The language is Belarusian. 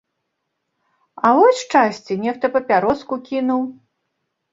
А вось шчасце, нехта папяроску кінуў.